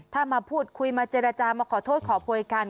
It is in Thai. ถ้ามาพูดคุยมาเจรจามาขอโทษขอโพยกัน